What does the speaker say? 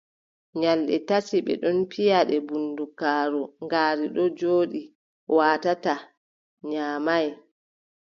Nyalɗe tati ɓe ɗon piya ɗe bundugaaru ngaari ɗon jooɗi, waatataa, nyaamay.